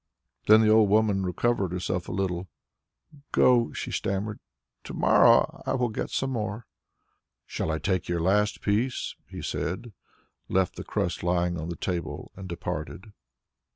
Then the old woman recovered herself a little. "Go!" she stammered; "to morrow I will get some more." "Shall I take your last piece?" he said, left the crust lying on the table and departed.